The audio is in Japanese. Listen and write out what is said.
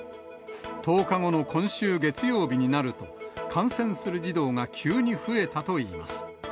１０日後の今週月曜日になると、感染する児童が急に増えたといいます。